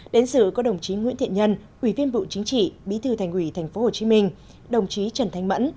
đến dự có đồng chí nguyễn thiện nhân ủy viên bộ chính trị bí thư thành ủy tp hcm đồng chí trần thanh mẫn